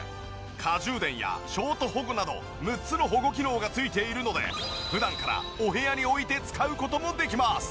過充電やショート保護など６つの保護機能が付いているので普段からお部屋に置いて使う事もできます。